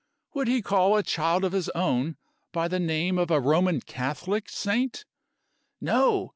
Would he call a child of his own by the name of a Roman Catholic saint? No!